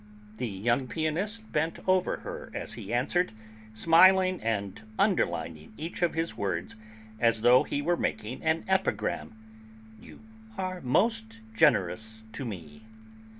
The young pianist bent over her as he answered, smiling and underlining each of his words as though he were making an epigram: "You are most generous to me."